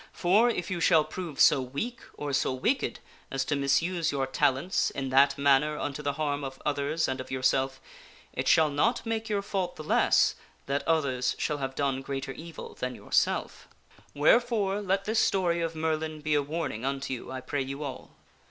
For, if you shall prove so weak or so wicked as to misuse your talents in that manner unto the harm of others and of yourself, it shall not make your fault the less that others shall have done greater evil than yourself. Wherefore, let this story of Merlin be a warning unto you, I pray you all.